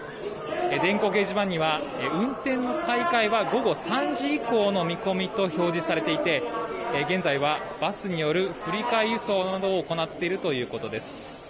電光掲示板には、運転再開は午後３時以降の見込みと表示されていて現在はバスによる振り替え輸送などを行っているということです。